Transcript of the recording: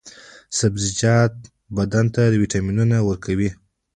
سبزیجات بدن ته ویټامینونه ورکوي.